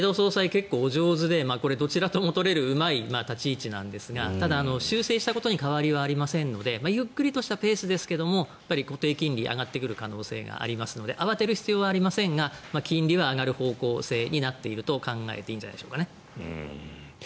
結構お上手でこれ、どちらとも取れるうまい立ち位置なんですがただ、修正したことに変わりはありませんのでゆっくりとしたペースですが固定金利は上がってくる可能性がありますので慌てる様子はありませんがそういう可能性はあると考えていいんじゃないですかね。